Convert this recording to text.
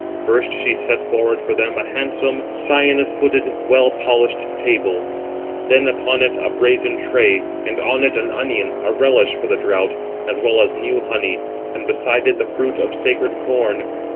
First she set forward for them a handsome, cyanus footed, well polished table; then upon it a brazen tray, and on it an onion, a relish 381 for the draught, as well as new honey, and beside it the fruit of sacred corn.